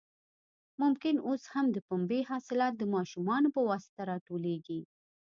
ممکن اوس هم د پنبې حاصلات د ماشومانو په واسطه راټولېږي.